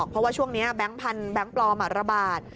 เพราะว่าช่วงนี้แบงค์พันธุแบงค์ปลอมระบาด